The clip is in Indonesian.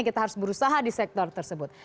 kita harus berusaha di sektor tersebut